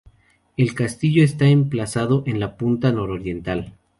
El castillo está emplazado en la punta nororiental.